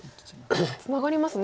ツナがりますね。